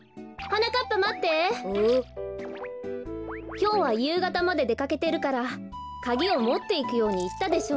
きょうはゆうがたまででかけてるからカギをもっていくようにいったでしょう。